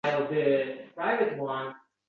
Ayollarga alohida qamoqxona